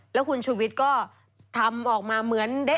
แล้วคุณฉุกวิทย์ก็ทำออกมาเหมือนเดะหน่อย